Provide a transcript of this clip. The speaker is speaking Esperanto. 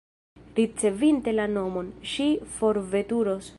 Ricevinte la monon, ŝi forveturos.